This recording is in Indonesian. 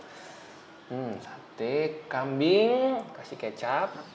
hmm sate kambing kasih kecap